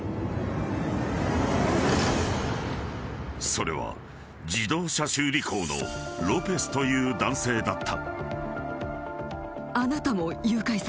［それは自動車修理工のロペスという男性だった］